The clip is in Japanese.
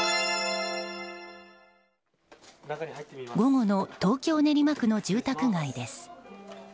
午後の東京・練馬区の住宅街です。